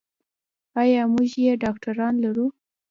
ایا موږ یې ډاکتران لرو.